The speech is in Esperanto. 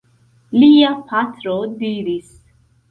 Lia patro diris.